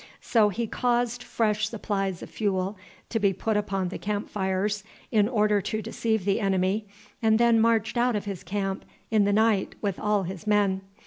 So he caused fresh supplies of fuel to be put upon the camp fires in order to deceive the enemy, and then marched out of his camp in the night with all his men.